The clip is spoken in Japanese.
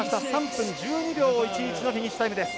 ３分１２秒１１のフィニッシュタイムです。